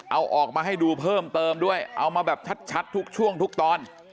เอาออกมาให้ดูเพิ่มเติมด้วยเอามาแบบชัดทุกช่วงทุกตอน